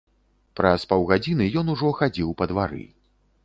Праз паўгадзіны ён ужо хадзіў па двары.